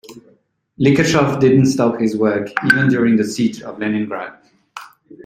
Likhachov didn't stop his work even during the Siege of Leningrad.